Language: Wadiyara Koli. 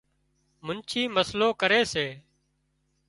منڇي مسئلو ڪري سي